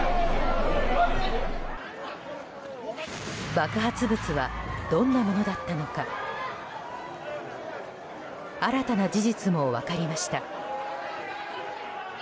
爆発物はどんなものだったのか新たな事実も分かりました。